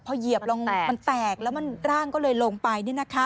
พอเหยียบลงมันแตกแล้วร่างก็เลยลงไป